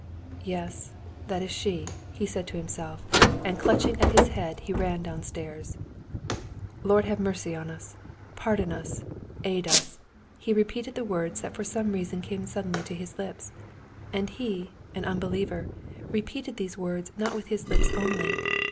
"Yes, that is she," he said to himself, and clutching at his head he ran downstairs. "Lord have mercy on us! pardon us! aid us!" he repeated the words that for some reason came suddenly to his lips. And he, an unbeliever, repeated these words not with his lips only.